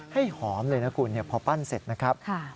ให้หอมเลยนะคุณพอปั้นเสร็จนะครับ